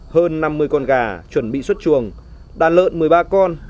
hơn năm mươi con gà chuẩn bị xuất chuồng đàn lợn một mươi ba con